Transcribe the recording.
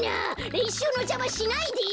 れんしゅうのじゃましないでよ！